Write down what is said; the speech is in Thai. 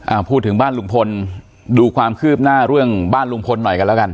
อ่าพูดถึงบ้านลุงพลดูความคืบหน้าเรื่องบ้านลุงพลหน่อยกันแล้วกัน